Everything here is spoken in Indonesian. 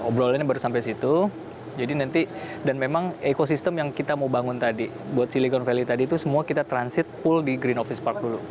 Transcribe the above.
obrolannya baru sampai situ jadi nanti dan memang ekosistem yang kita mau bangun tadi buat silicon valley tadi itu semua kita transit pool di green office park dulu